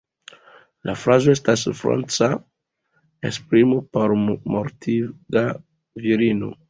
La frazo estas franca esprimo por "mortiga virino".